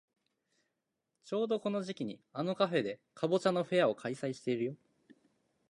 ちょうどこの時期にあのカフェでかぼちゃのフェアを開催してるよ。